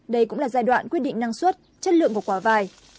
đây cũng là giai đoạn quyết định năng suất chất lượng của quả vải